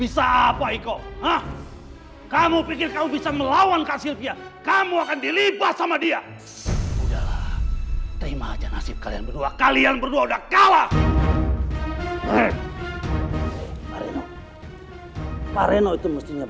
sampai jumpa di video selanjutnya